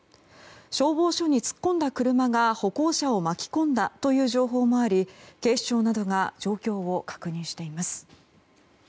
消防署に突っ込んだ車が歩行者を巻き込んだという情報もあり警視庁などが状況を確認しています。